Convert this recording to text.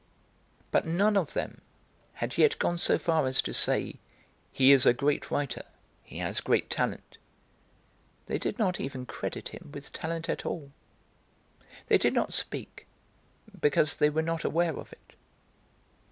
But none of them had yet gone so far as to say "He is a great writer, he has great talent." They did not even credit him with talent at all. They did not speak, because they were not aware of it.